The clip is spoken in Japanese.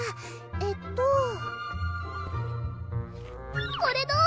えっとこれどう？